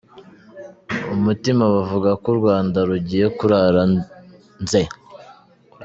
umutima bavuga ko u Rwanda rugiye kurara nze